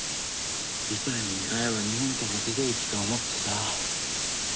痛い目に遭えば日本から出ていくと思ってさ。